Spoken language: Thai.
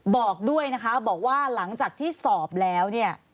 บอกด้วยนะคะบอกว่าหลังจากที่สอบแล้วเนี่ย